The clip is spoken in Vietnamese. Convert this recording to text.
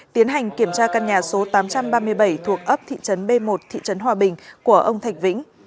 tiến hành kiểm tra căn nhà số tám trăm ba mươi bảy thuộc ấp thị trấn b một thị trấn hòa bình của ông thạch vĩnh